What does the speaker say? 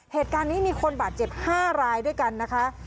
เหตุการณ์นี้มีคนบาดเจ็บ๕รายด้วยกันนะคะ